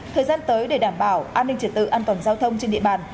thời gian tới để đảm bảo an ninh trật tự an toàn giao thông trên địa bàn